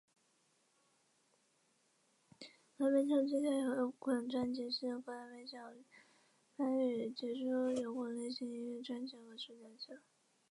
葛莱美奖最佳摇滚专辑是葛莱美奖颁予杰出摇滚类型音乐专辑的歌手的奖项。